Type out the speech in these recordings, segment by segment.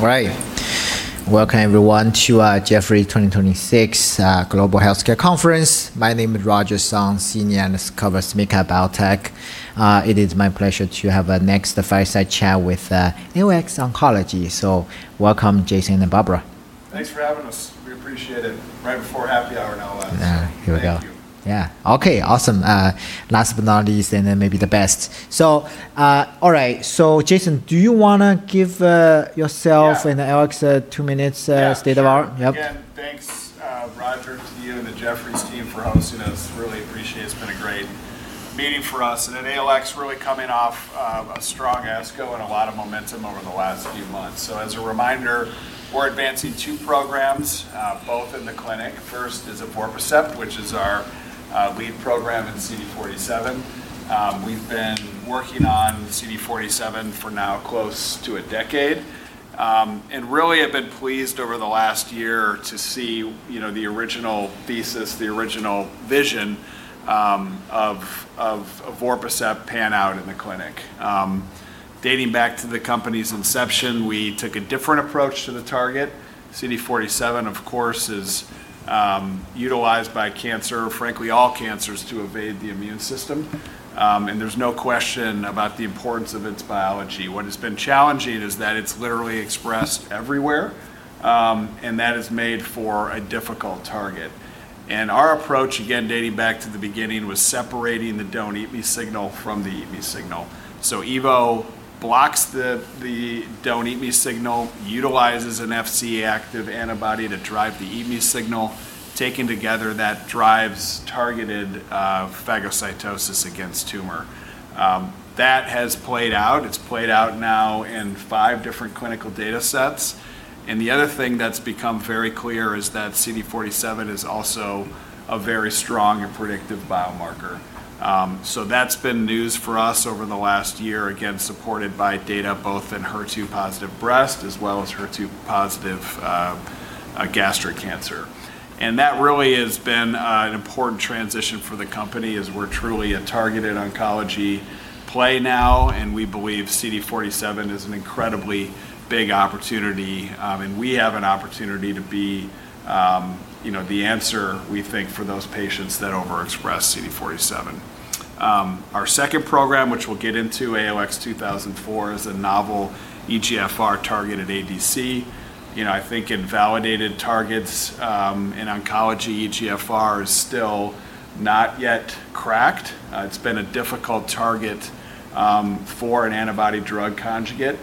All right. Welcome everyone to our Jefferies 2026 Global Healthcare Conference. My name is Roger Song, Senior Analyst covers mid-cap biotech. It is my pleasure to have a next fireside chat with ALX Oncology. Welcome, Jason and Barbara. Thanks for having us. We appreciate it. Right before happy hour no less. Yeah, here we go. Thank you. Yeah. Okay, awesome. Last but not least, and then maybe the best. All right. Jason, do you want to give yourself and ALX two minutes of state of art? Yep. Again, thanks, Roger, to you and the Jefferies team for hosting us. Really appreciate it. It's been a great meeting for us. ALX really coming off of a strong ASCO and a lot of momentum over the last few months. As a reminder, we're advancing two programs, both in the clinic. First is evorpacept, which is our lead program in CD47. We've been working on CD47 for now close to a decade, and really have been pleased over the last year to see the original thesis, the original vision, of evorpacept pan out in the clinic. Dating back to the company's inception, we took a different approach to the target. CD47, of course, is utilized by cancer, frankly, all cancers to evade the immune system. There's no question about the importance of its biology. What has been challenging is that it's literally expressed everywhere, and that has made for a difficult target. Our approach, again, dating back to the beginning, was separating the "don't eat me" signal from the "eat me" signal. evo blocks the "don't eat me" signal, utilizes an Fc active antibody to drive the "eat me" signal. Taken together, that drives targeted phagocytosis against tumor. That has played out. It's played out now in five different clinical data sets. The other thing that's become very clear is that CD47 is also a very strong and predictive biomarker. That's been news for us over the last year, again, supported by data both in HER2 positive breast as well as HER2 positive gastric cancer. That really has been an important transition for the company as we're truly a targeted oncology play now, and we believe CD47 is an incredibly big opportunity. We have an opportunity to be the answer, we think, for those patients that overexpress CD47. Our second program, which we'll get into, ALX2004, is a novel EGFR-targeted ADC. I think in validated targets, in oncology, EGFR is still not yet cracked. It's been a difficult target for an antibody-drug conjugate.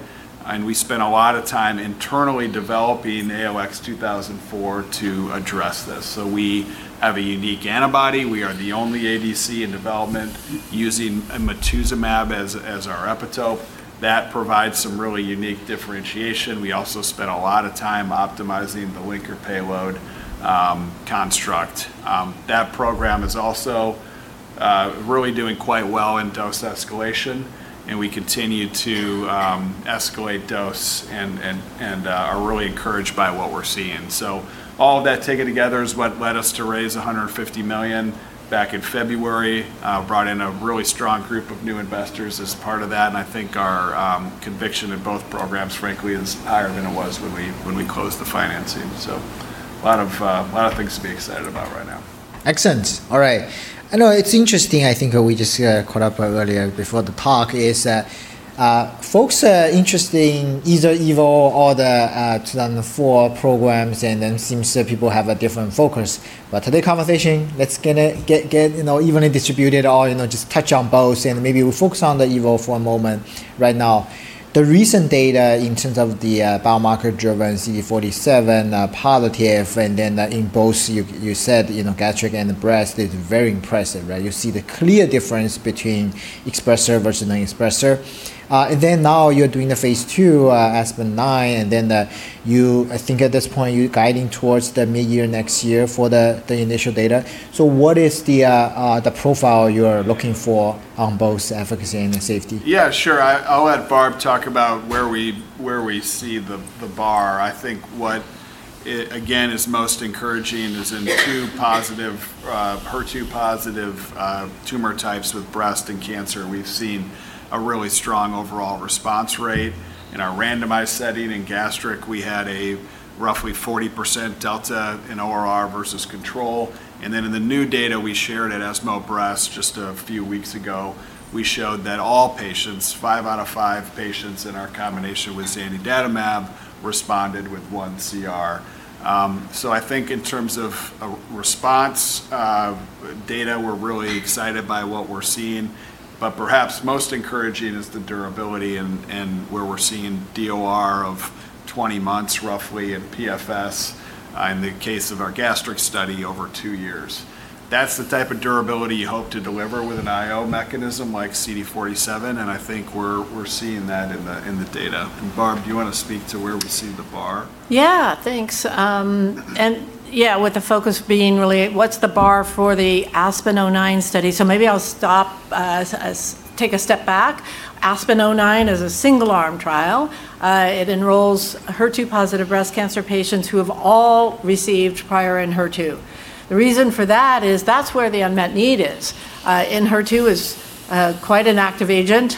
We spent a lot of time internally developing ALX2004 to address this. We have a unique antibody. We are the only ADC in development using matuzumab as our epitope. That provides some really unique differentiation. We also spent a lot of time optimizing the linker payload construct. That program is also really doing quite well in dose escalation, we continue to escalate dose and are really encouraged by what we're seeing. All of that taken together is what led us to raise $150 million back in February, brought in a really strong group of new investors as part of that. I think our conviction in both programs, frankly, is higher than it was when we closed the financing. A lot of things to be excited about right now. Excellent. All right. I know it's interesting, I think we just caught up earlier before the talk is that folks are interested in either evo or the two and the four programs. Seems people have a different focus. Today conversation, let's evenly distribute it all, just touch on both, and maybe we focus on the evo for a moment right now. The recent data in terms of the biomarker-driven CD47 positive, in both you said gastric and breast is very impressive, right? You see the clear difference between expressor versus non-expressor. Now you're doing the phase II ASPEN-09. I think at this point you're guiding towards the mid-year next year for the initial data. What is the profile you're looking for on both efficacy and safety? Yeah, sure. I'll let Barb talk about where we see the bar. I think what, again, is most encouraging is in two positive, HER2-positive tumor types with breast and cancer. We've seen a really strong overall response rate. In our randomized setting in gastric, we had a roughly 40% delta in ORR versus control. In the new data we shared at ESMO Breast just a few weeks ago, we showed that all patients, five out of five patients in our combination with zanidatamab responded with one CR. I think in terms of response data, we're really excited by what we're seeing, but perhaps most encouraging is the durability and where we're seeing DOR of 20 months roughly in PFS, in the case of our gastric study, over two years. That's the type of durability you hope to deliver with an IO mechanism like CD47, and I think we're seeing that in the data. Barb, do you want to speak to where we see the bar? Yeah. Thanks. Yeah, with the focus being really what's the bar for the ASPEN-09 study? Maybe I'll take a step back. ASPEN-09 is a single arm trial. It enrolls HER2 positive breast cancer patients who have all received prior ENHERTU. The reason for that is that's where the unmet need is. ENHERTU is quite an active agent,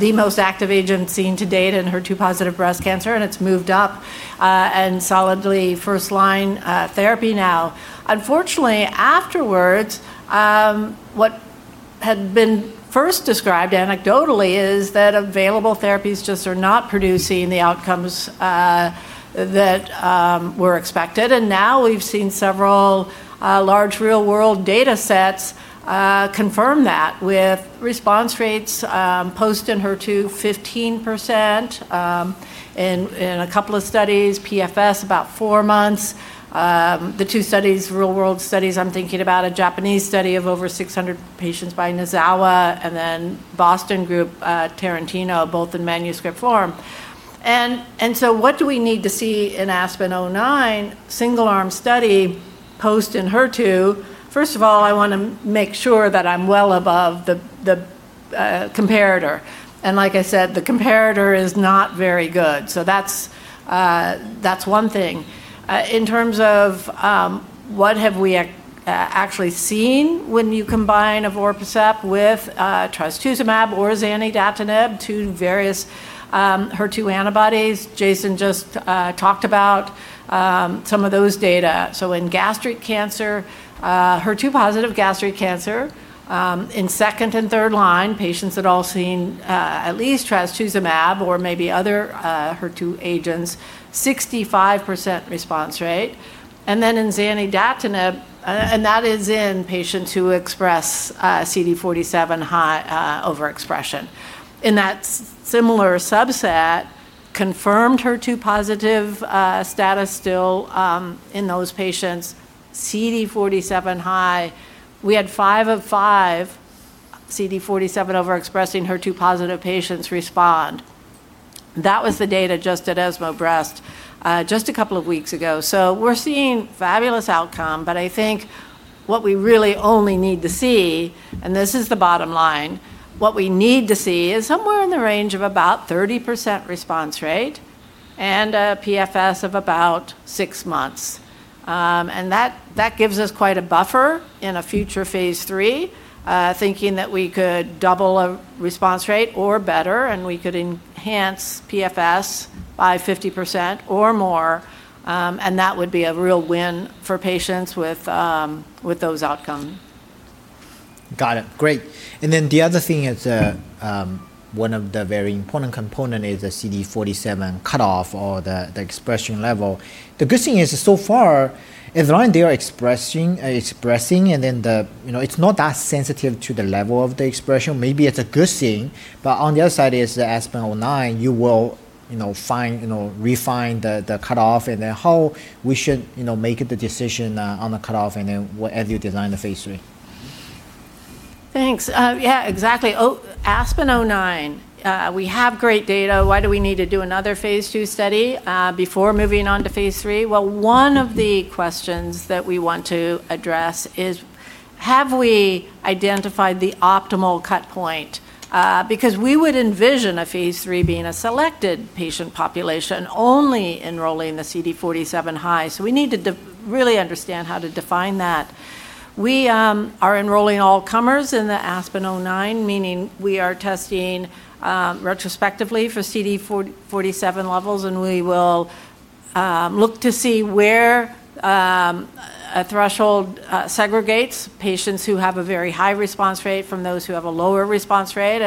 the most active agent seen to date in HER2 positive breast cancer, and it's moved up and solidly first line therapy now. Unfortunately, afterwards what had been first described anecdotally is that available therapies just are not producing the outcomes that were expected. Now we've seen several large real world data sets confirm that with response rates post ENHERTU 15% in a couple of studies, PFS about four months. The two studies, real world studies, I'm thinking about a Japanese study of over 600 patients by Nozawa and then BostonGene, Tarantino, both in manuscript form. What do we need to see in ASPEN-09 single arm study post ENHERTU? First of all, I want to make sure that I'm well above the comparator. Like I said, the comparator is not very good. That's one thing. In terms of what have we actually seen when you combine evorpacept with trastuzumab or zanidatamab, two various HER2 antibodies. Jason just talked about some of those data. In gastric cancer, HER2 positive gastric cancer, in second and third line, patients had all seen at least trastuzumab or maybe other HER2 agents, 65% response rate. In zanidatamab, that is in patients who express CD47 high overexpression. In that similar subset, confirmed HER2-positive status still in those patients, CD47-high, we had five of five CD47-overexpressing HER2-positive patients respond. That was the data just at ESMO Breast just a couple of weeks ago. We're seeing fabulous outcome, but I think what we really only need to see, and this is the bottom line, what we need to see is somewhere in the range of about 30% response rate and a PFS of about six months. That gives us quite a buffer in a future phase III, thinking that we could double a response rate or better, and we could enhance PFS by 50% or more, and that would be a real win for patients with those outcome. Got it. Great. The other thing is, one of the very important component is the CD47 cutoff or the expression level. The good thing is so far, if they are expressing, it's not that sensitive to the level of the expression, maybe it's a good thing. On the other side is the ASPEN-09, you will refine the cutoff how we should make the decision on the cutoff as you design the phase III. Thanks. Yeah, exactly. ASPEN-09, we have great data. Why do we need to do another phase II study before moving on to phase III? Well, one of the questions that we want to address is have we identified the optimal cut point? We would envision a phase III being a selected patient population only enrolling the CD47 high. We need to really understand how to define that. We are enrolling all comers in the ASPEN-09, meaning we are testing retrospectively for CD47 levels, and we will look to see where a threshold segregates patients who have a very high response rate from those who have a lower response rate.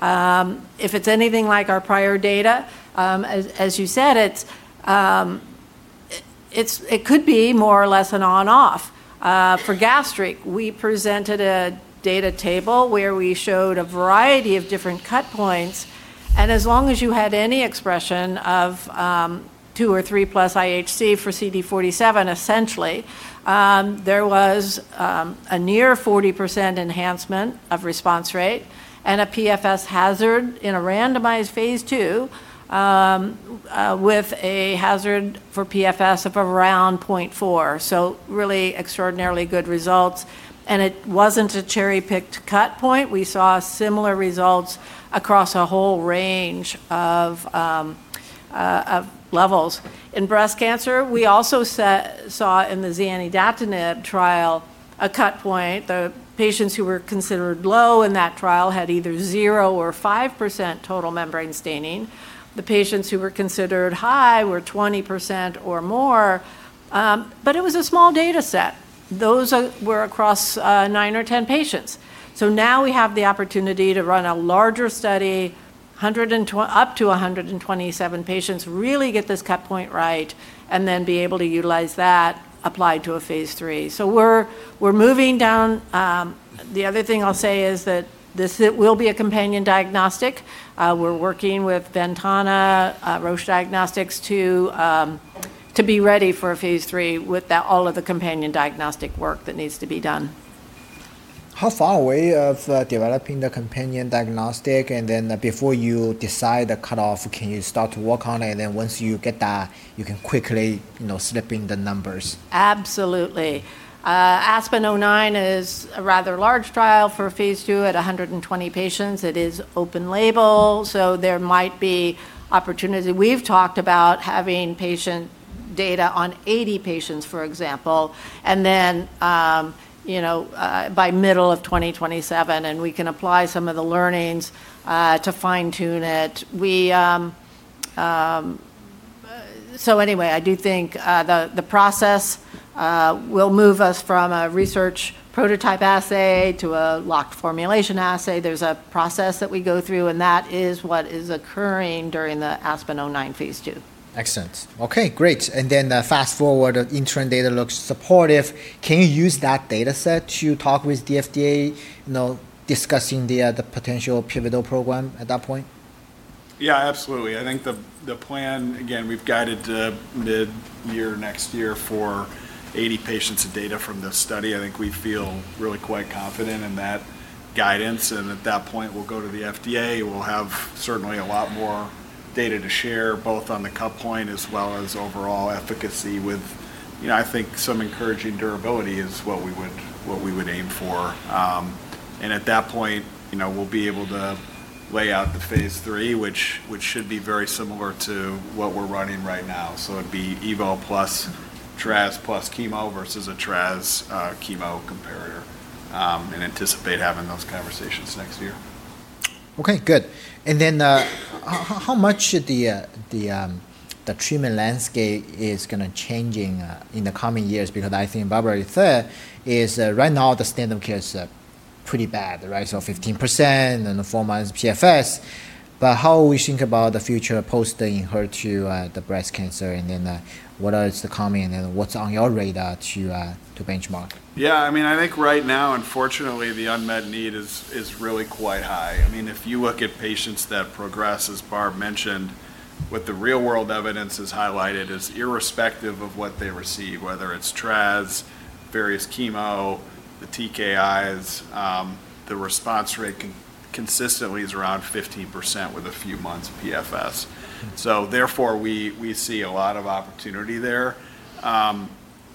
If it's anything like our prior data, as you said, it could be more or less an on/off. For gastric, we presented a data table where we showed a variety of different cut points, and as long as you had any expression of two or three plus IHC for CD47, essentially, there was a near 40% enhancement of response rate and a PFS hazard in a randomized phase II with a hazard for PFS of around 0.4. Really extraordinarily good results. It wasn't a cherry-picked cut point. We saw similar results across a whole range of levels. In breast cancer, we also saw in the zanidatamab trial a cut point. The patients who were considered low in that trial had either zero or 5% total membrane staining. The patients who were considered high were 20% or more. It was a small data set. Those were across nine or 10 patients. Now we have the opportunity to run a larger study, up to 127 patients, really get this cut point right, and then be able to utilize that applied to a phase III. We're moving down. The other thing I'll say is that this will be a companion diagnostic. We're working with Ventana, Roche Diagnostics to be ready for a phase III with all of the companion diagnostic work that needs to be done. How far away of developing the companion diagnostic, and then before you decide the cutoff, can you start to work on it, and then once you get that, you can quickly slip in the numbers? Absolutely. ASPEN-09 is a rather large trial for a Phase II at 120 patients. It is open label, there might be opportunity. We've talked about having patient data on 80 patients, for example, by middle of 2027, we can apply some of the learnings to fine-tune it. Anyway, I do think the process will move us from a research prototype assay to a locked formulation assay. There's a process that we go through, that is what is occurring during the ASPEN-09 Phase II. Excellent. Okay, great. Fast-forward, interim data looks supportive. Can you use that data set to talk with the FDA, discussing the potential pivotal program at that point? Yeah, absolutely. I think the plan, again, we've guided to mid-year next year for 80 patients of data from this study. I think we feel really quite confident in that guidance. At that point, we'll go to the FDA. We'll have certainly a lot more data to share, both on the cut point as well as overall efficacy with, I think, some encouraging durability is what we would aim for. At that point, we'll be able to lay out the phase III, which should be very similar to what we're running right now. It'd be evo plus tras plus chemo versus a tras chemo comparator, and anticipate having those conversations next year. Okay, good. How much the treatment landscape is going to change in the coming years? Because I think Barbara referred is right now the standard of care is pretty bad. 15% and four months PFS. How we think about the future posting HER2, the breast cancer, what else is coming, and what's on your radar to benchmark? Yeah, I think right now, unfortunately, the unmet need is really quite high. If you look at patients that progress, as Barb mentioned, what the real-world evidence has highlighted is irrespective of what they receive, whether it's tras, various chemo, the TKIs, the response rate consistently is around 15% with a few months of PFS. We see a lot of opportunity there.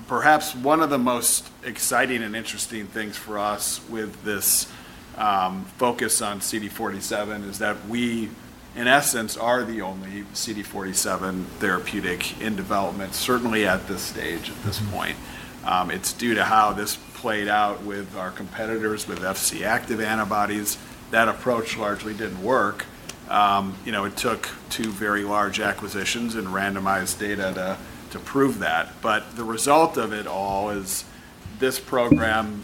Perhaps one of the most exciting and interesting things for us with this focus on CD47 is that we, in essence, are the only CD47 therapeutic in development, certainly at this stage, at this point. It's due to how this played out with our competitors, with Fc active antibodies. That approach largely didn't work. It took two very large acquisitions and randomized data to prove that. The result of it all is this program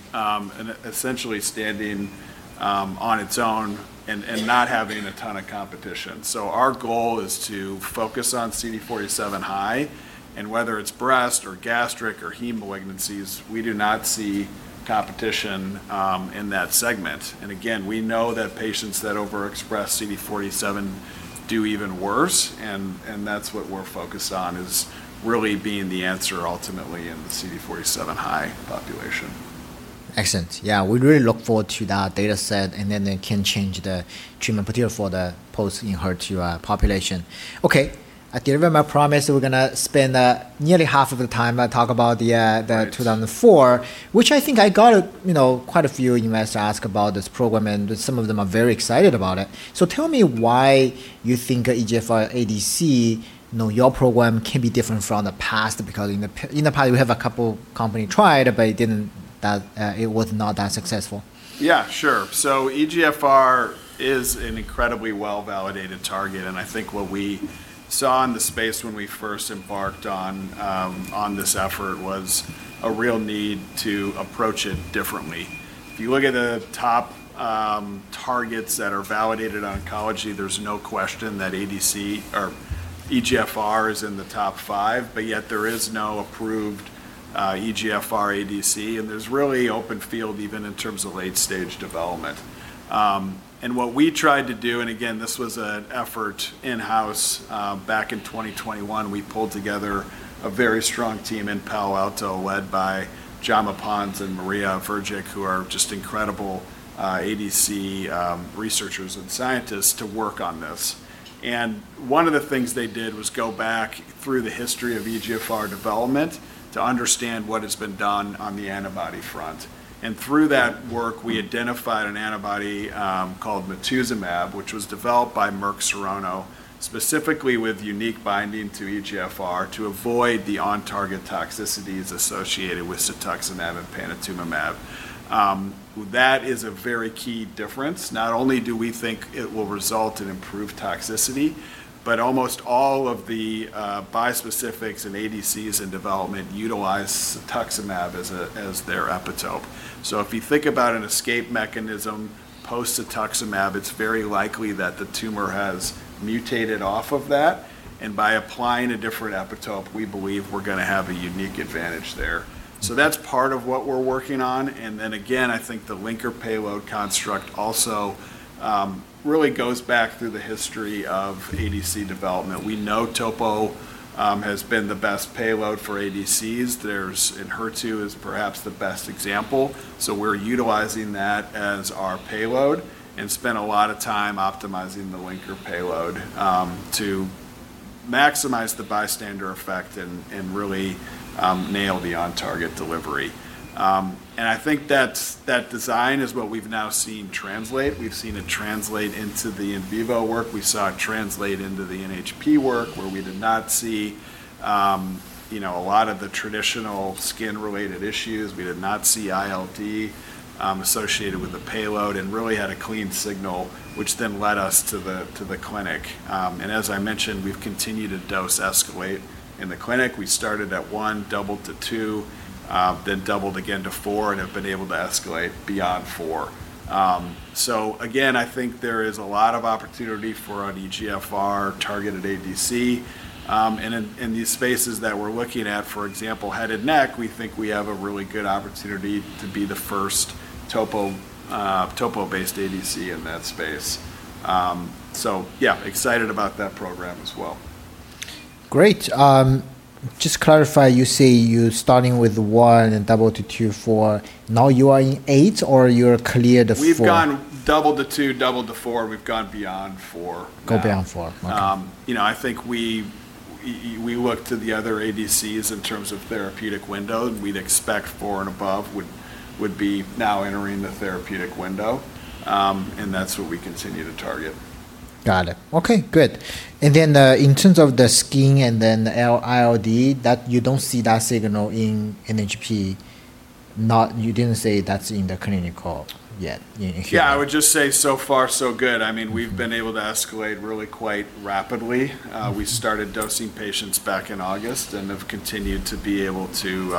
essentially standing on its own and not having a ton of competition. Our goal is to focus on CD47 high, and whether it's breast or gastric or heme malignancies, we do not see competition in that segment. Again, we know that patients that overexpress CD47 do even worse, and that's what we're focused on, is really being the answer ultimately in the CD47 high population. Excellent. Yeah. We really look forward to that data set, and then they can change the treatment criteria for the post ENHERTU population. Okay. I deliver my promise, we're going to spend nearly half of the time. Right 2004, which I think I got quite a few investors ask about this program, and some of them are very excited about it. Tell me why you think EGFR ADC, your program, can be different from the past, because in the past, we have a couple company tried, but it was not that successful. Yeah, sure. EGFR is an incredibly well-validated target, and I think what we saw in the space when we first embarked on this effort was a real need to approach it differently. If you look at the top targets that are validated on oncology, there's no question that ADC or EGFR is in the top five, but yet there is no approved EGFR ADC, and there's really open field even in terms of late-stage development. What we tried to do, and again, this was an effort in-house back in 2021. We pulled together a very strong team in Palo Alto led by Jaume Pons and Marija Vrljic, who are just incredible ADC researchers and scientists to work on this. One of the things they did was go back through the history of EGFR development to understand what has been done on the antibody front. Through that work, we identified an antibody called matuzumab, which was developed by Merck Serono, specifically with unique binding to EGFR to avoid the on-target toxicities associated with cetuximab and panitumumab. That is a very key difference. Not only do we think it will result in improved toxicity, but almost all of the bispecifics and ADCs in development utilize cetuximab as their epitope. If you think about an escape mechanism post cetuximab, it's very likely that the tumor has mutated off of that. By applying a different epitope, we believe we're going to have a unique advantage there. That's part of what we're working on. I think the linker payload construct also really goes back through the history of ADC development. We know Topo1 has been the best payload for ADCs. HER2 is perhaps the best example. We're utilizing that as our payload and spent a lot of time optimizing the linker payload to maximize the bystander effect and really nail the on-target delivery. I think that design is what we've now seen translate. We've seen it translate into the in vivo work. We saw it translate into the NHP work where we did not see a lot of the traditional skin-related issues. We did not see ILD associated with the payload and really had a clean signal, which then led us to the clinic. As I mentioned, we've continued to dose escalate in the clinic. We started at one, doubled to two, then doubled again to four, and have been able to escalate beyond four. Again, I think there is a lot of opportunity for an EGFR-targeted ADC. In these spaces that we're looking at, for example, head and neck, we think we have a really good opportunity to be the first Topo1-based ADC in that space. Yeah, excited about that program as well. Great. Just clarify, you say you starting with one and double to two, four. Now you are in eight or you're cleared of four? We've gone double to two, double to four. We've gone beyond four now. Go beyond four. Okay. I think we look to the other ADCs in terms of therapeutic window, and we'd expect four and above would be now entering the therapeutic window. That's what we continue to target. Got it. Okay, good. In terms of the skin and then the ILD, you don't see that signal in NHP? You didn't say that's in the clinical yet in here. Yeah, I would just say so far so good. We've been able to escalate really quite rapidly. We started dosing patients back in August and have continued to be able to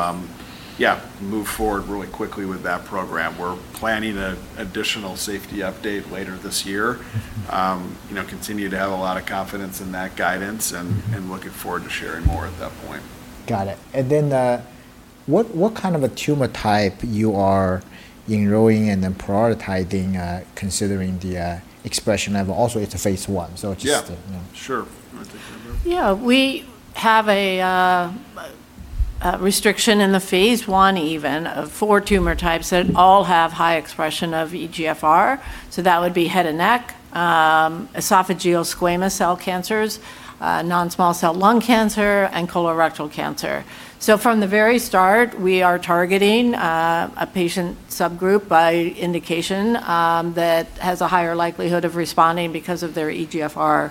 move forward really quickly with that program. We're planning an additional safety update later this year. Continue to have a lot of confidence in that guidance and looking forward to sharing more at that point. Got it. What kind of a tumor type you are enrolling and then prioritizing considering the expression level? Also, it's a phase I. Yeah. Sure. You want to take that, Barb? Yeah. We have a restriction in the phase I even of four tumor types that all have high expression of EGFR. That would be head and neck, esophageal squamous cell cancers, non-small cell lung cancer, and colorectal cancer. From the very start, we are targeting a patient subgroup by indication that has a higher likelihood of responding because of their EGFR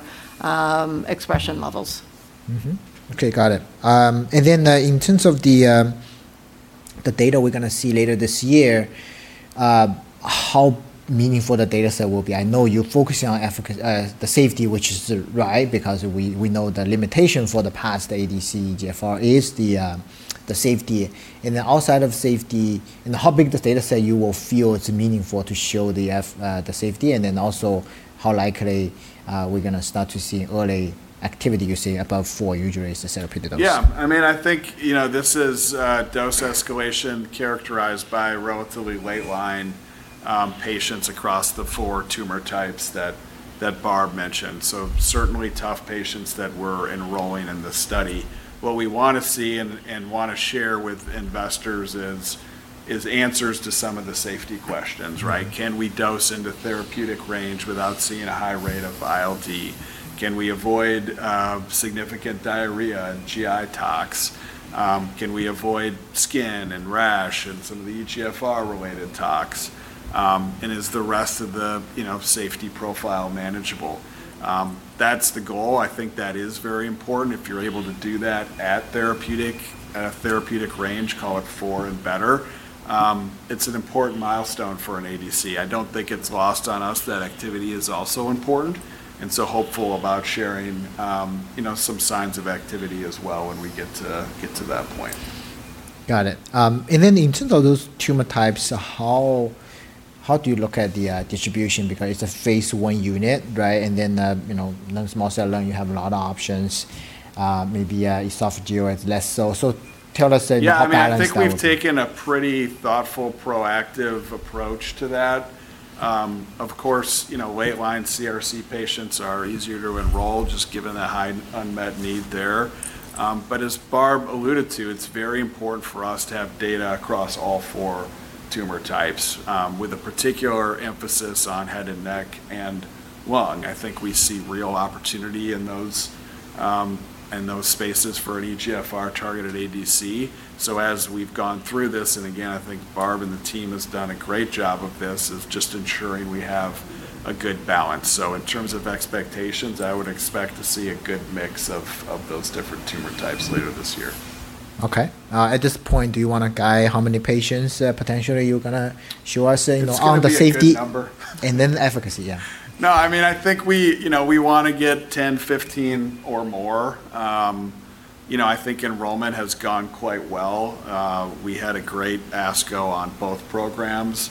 expression levels. Okay, got it. Then in terms of the data we're going to see later this year, how meaningful the data set will be? I know you're focusing on the safety, which is right, because we know the limitation for the past ADC EGFR is the safety. Then outside of safety, and how big the data set you will feel it's meaningful to show the safety, and then also how likely are we going to start to see early activity you see above four usual therapeutic dose? Yeah. I think this is dose escalation characterized by relatively late line patients across the four tumor types that Barb mentioned. Certainly tough patients that we're enrolling in the study. What we want to see and want to share with investors is answers to some of the safety questions, right? Can we dose into therapeutic range without seeing a high rate of ILD? Can we avoid significant diarrhea and GI tox? Can we avoid skin and rash and some of the EGFR-related tox? Is the rest of the safety profile manageable? That's the goal. I think that is very important if you're able to do that at a therapeutic range, call it four and better. It's an important milestone for an ADC. I don't think it's lost on us that activity is also important, and so hopeful about sharing some signs of activity as well when we get to that point. Got it. In terms of those tumor types, how do you look at the distribution? Because it's a phase I unit, right? Non-small cell lung, you have a lot of options. Maybe esophageal is less so. Tell us how you balance that. Yeah, I think we've taken a pretty thoughtful, proactive approach to that. Of course, late line CRC patients are easier to enroll just given the high unmet need there. As Barb alluded to, it's very important for us to have data across all four tumor types with a particular emphasis on head and neck and lung. I think we see real opportunity in those spaces for an EGFR-targeted ADC. As we've gone through this, and again, I think Barb and the team has done a great job of this, is just ensuring we have a good balance. In terms of expectations, I would expect to see a good mix of those different tumor types later this year. Okay. At this point, do you want to guide how many patients potentially you're going to show us on the safety- It's going to be a good number. Efficacy? Yeah. No, I think we want to get 10, 15 or more. I think enrollment has gone quite well. We had a great ASCO on both programs.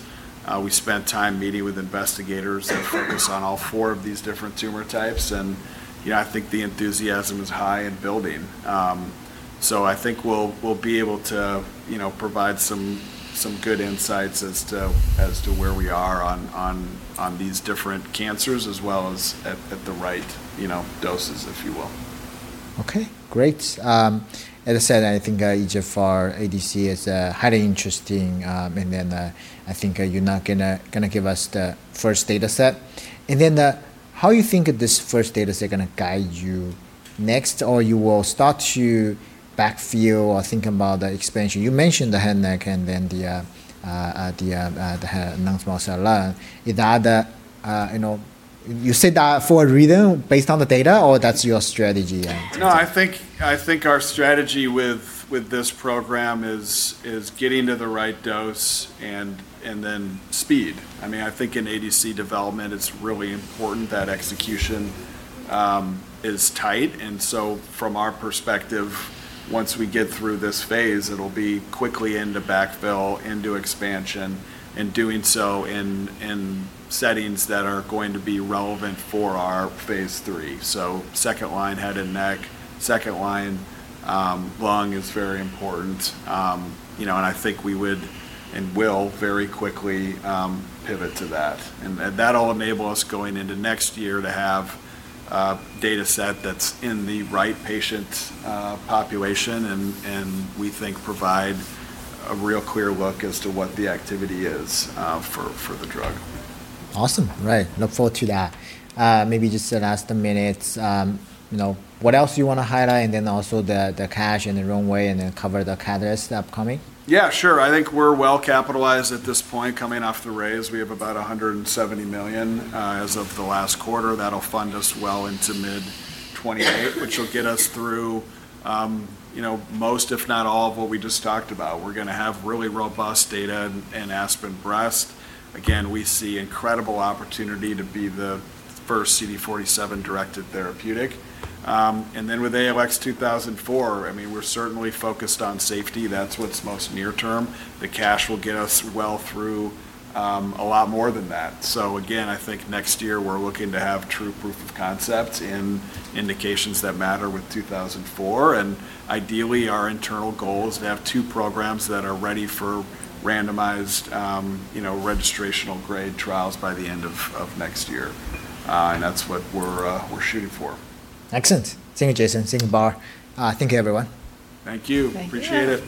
We spent time meeting with investigators that focus on all four of these different tumor types. I think the enthusiasm is high and building. I think we'll be able to provide some good insights as to where we are on these different cancers as well as at the right doses, if you will. Okay, great. As I said, I think EGFR ADC is highly interesting. I think you're now going to give us the first data set. How you think this first data set going to guide you next, or you will start to backfill or think about the expansion? You mentioned the head and neck and then the non-small cell lung, are there other? You say that for a reason based on the data, or that's your strategy? No, I think our strategy with this program is getting to the right dose and then speed. I think in ADC development, it's really important that execution is tight. From our perspective, once we get through this phase, it'll be quickly into backfill, into expansion, and doing so in settings that are going to be relevant for our phase III. Second line head and neck, second line lung is very important. I think we would, and will, very quickly pivot to that. That'll enable us going into next year to have a data set that's in the right patient population and we think provide a real clear look as to what the activity is for the drug. Awesome. Right. Look forward to that. Maybe just the last minute, what else do you want to highlight? Also the cash and the runway, and then cover the catalyst upcoming. Yeah, sure. I think we're well capitalized at this point coming off the raise. We have about $170 million as of the last quarter. That'll fund us well into mid 2028, which will get us through most, if not all, of what we just talked about. We're going to have really robust data in ASPEN breast. We see incredible opportunity to be the first CD47-directed therapeutic. With ALX2004, we're certainly focused on safety. That's what's most near term. The cash will get us well through a lot more than that. Again, I think next year we're looking to have true proof of concept in indications that matter with 2004. Ideally, our internal goal is to have two programs that are ready for randomized registrational grade trials by the end of next year. That's what we're shooting for. Excellent. Thank you, Jason. Thank you, Barb. Thank you, everyone. Thank you. Appreciate it.